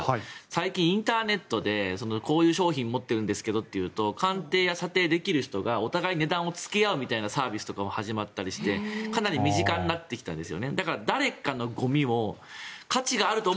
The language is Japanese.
最近インターネットでこういう商品を持ってるんですけどっていうと鑑定や査定をできる人がお互いに値段をつけ合うサービスとかも始まったりしてかなり身近になってきたんです。